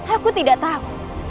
aku tidak tahu